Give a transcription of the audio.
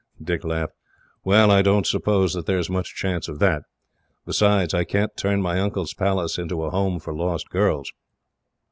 Dick laughed. "Well, I don't suppose that there is much chance of it. Besides, I can't turn my uncle's palace into a Home for Lost Girls."